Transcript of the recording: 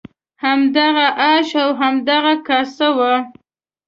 همدغه آش او همدغه کاسه وي.